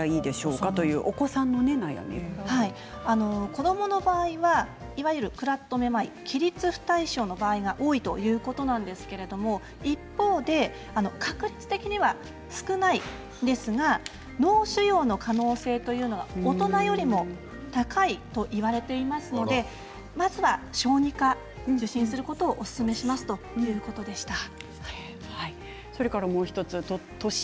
子どもの場合はいわゆるクラッとめまい起立不耐症の場合が多いということなんですが確率的には少ないんですが脳腫瘍の可能性というのが大人より高いといわれていますので、まずは小児科を受診することをおすすめしますということでした。